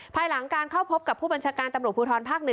ภายหลังการเข้าพบกับผู้บัญชาการตำรวจภูทรภาค๑